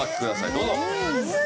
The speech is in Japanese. どうぞ。